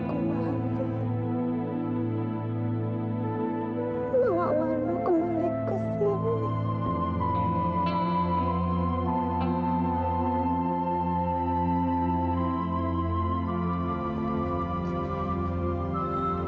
kak mano kakak aku ingin kembali ke sini